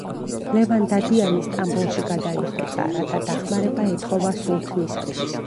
ლევან დადიანი სტამბოლში გადაიხვეწა, რათა დახმარება ეთხოვა სულთნისათვის.